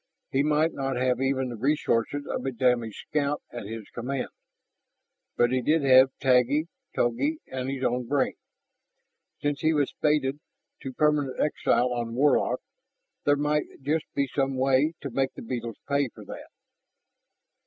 He might not have even the resources of a damaged scout at his command. But he did have Taggi, Togi, and his own brain. Since he was fated to permanent exile on Warlock, there might just be some way to make the beetles pay for that.